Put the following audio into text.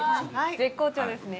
絶好調ですね。